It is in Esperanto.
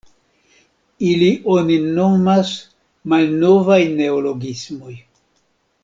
Ilin oni nomas "malnovaj neologismoj".